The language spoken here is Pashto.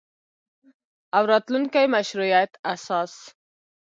او راتلونکي مشروعیت اساس